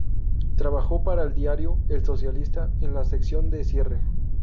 Trabajó para el diario "El Socialista", en la sección de cierre.